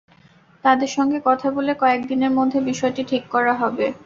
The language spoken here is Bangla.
তাঁদের সঙ্গে কথা বলে কয়েক দিনের মধ্যে বিষয়টি ঠিক করা হবে।